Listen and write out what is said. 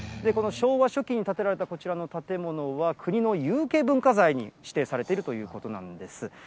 この昭和初期に建てられたこちらの建物は、国の有形文化財に指定されているということなんです。